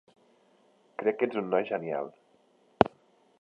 Crec que ets un noi genial.